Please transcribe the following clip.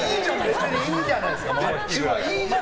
いいじゃないですか。